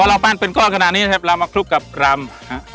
เราปั้นเป็นก้อนขนาดนี้นะครับเรามาคลุกกับกรำ